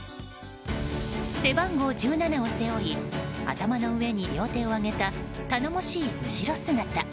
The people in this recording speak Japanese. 背番号１７を背負い頭の上に両手を上げた頼もしい後ろ姿。